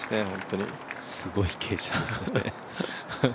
すごい傾斜ですね。